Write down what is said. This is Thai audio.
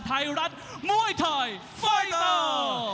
ไทยรัฐมวยไทยไฟเตอร์